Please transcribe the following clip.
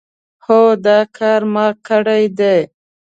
هو دا کار ما کړی دی.